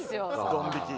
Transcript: ドン引き。